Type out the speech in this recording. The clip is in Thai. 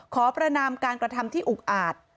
ขอประนามการกระทำที่อุกอาจ